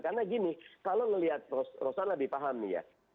karena gini kalau melihat rosana dipahami ya